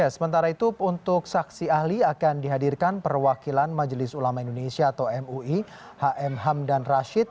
sementara itu untuk saksi ahli akan dihadirkan perwakilan majelis ulama indonesia atau mui hm hamdan rashid